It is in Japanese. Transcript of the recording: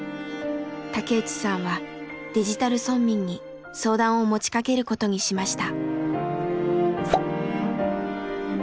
竹内さんはデジタル村民に相談を持ちかけることにしました。